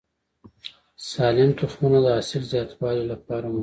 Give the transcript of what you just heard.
سالم تخمونه د حاصل زیاتوالي لپاره مهم دي.